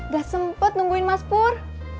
gak sempet nungguin mas pur